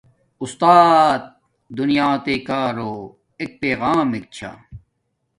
اُستات دیناتݵ کارو ایک پغمک چھا